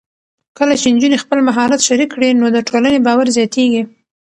کله چې نجونې خپل مهارت شریک کړي، نو د ټولنې باور زیاتېږي.